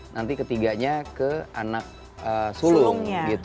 nanti ketiganya ke anak sulung